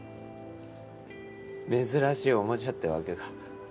珍しいおもちゃってわけか。